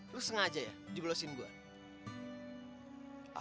lu sengaja ya jeblosin gua